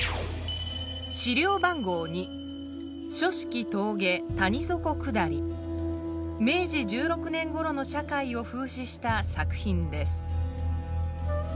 資料番号２明治１６年ごろの社会を風刺した作品です。